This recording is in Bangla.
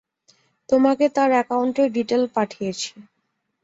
তোমাকে তার অ্যাকাউন্টের ডিটেল পাঠিয়েছি।